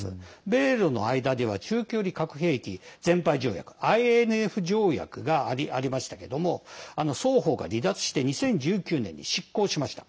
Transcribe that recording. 米ロの間には中距離核兵器全廃条約ＩＮＦ条約がありましたけども双方が離脱して２０１９年に失効しました。